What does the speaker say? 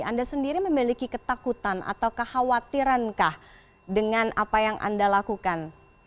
anda sendiri memiliki ketakutan atau kekhawatirankah dengan apa yang anda lakukan